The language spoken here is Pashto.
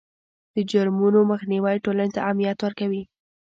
د جرمونو مخنیوی ټولنې ته امنیت ورکوي.